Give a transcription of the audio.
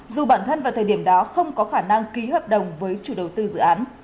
dù bản thân vào thời điểm đó không có khả năng ký hợp đồng với chủ đầu tư dự án